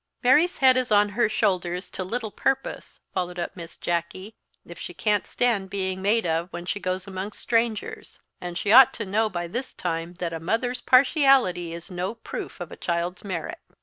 "Mary's head is on her shoulders to little purpose," followed up Miss Jacky, "if she can't stand being made of when she goes amongst strangers; and she ought to know by this time that a mother's partiality is no proof of a child's merit."